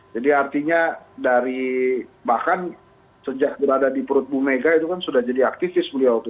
jadi artinya dari bahkan sejak berada di perut ibu mega itu kan sudah jadi aktivis beliau itu